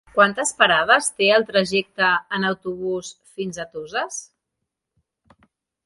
Quantes parades té el trajecte en autobús fins a Toses?